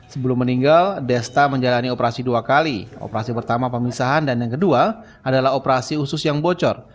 sebelum meninggal desta menjalani operasi dua kali operasi pertama pemisahan dan yang kedua adalah operasi usus yang bocor